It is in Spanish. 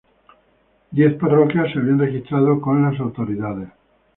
Diez parroquias se habían registrado con las autoridades.